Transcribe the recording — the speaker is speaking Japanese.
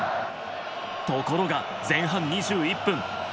ところが前半２１分。